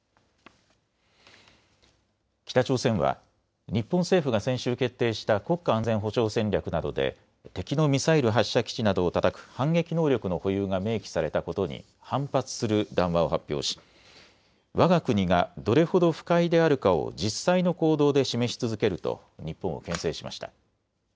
北朝鮮は日本政府が先週、決定した国家安全保障戦略などで敵のミサイル発射基地などをたたく反撃能力の保有が明記されたことに反発する談話を発表しわが国がどれほど不快であるかを実際の行動で示し続けると日本をけん制しました。